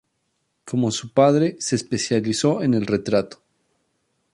Como su padre, se especializó en el retrato.